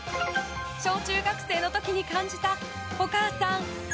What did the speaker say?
小・中学生の時に感じたお母さん？？？